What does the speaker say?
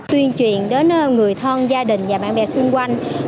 tuyên truyền đến người thân gia đình và bạn bè xung quanh